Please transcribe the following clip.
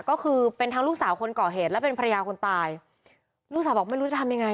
ก็คือเป็นทั้งลูกสาวคนก่อเหตุและเป็นภรรยาคนตายลูกสาวบอกไม่รู้จะทำยังไง